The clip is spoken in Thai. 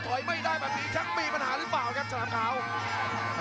ถอยไม่ได้แบบนี้ชั้นมีปัญหาหรือเปล่าครับ